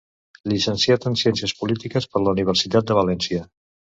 Llicenciat en ciències polítiques per la Universitat de València.